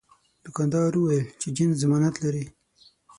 دوکاندار وویل چې جنس ضمانت لري.